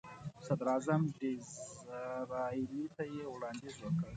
صدراعظم ډیزراییلي ته یې وړاندیز وکړ.